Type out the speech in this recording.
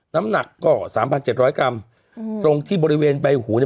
น้ำหนักก็สามพันเจ็ดร้อยกรัมอืมตรงที่บริเวณใบหูเนี้ย